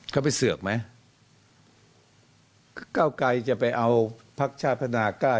เขาไปเสือกไหมเก้าไกรจะไปเอาพักชาติพัฒนากล้า